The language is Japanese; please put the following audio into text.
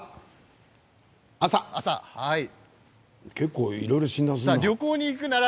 結構、いろいろ診断するな。